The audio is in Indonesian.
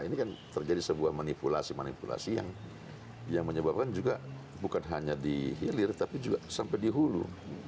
ini kan terjadi sebuah manipulasi manipulasi yang menyebabkan juga bukan hanya dihilir tapi juga sampai dihulu